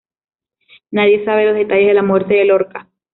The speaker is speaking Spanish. Nadie sabe los detalles de la muerte de Lorca.